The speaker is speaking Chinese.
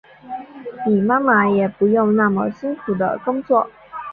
你妈妈也不用那么辛苦的工作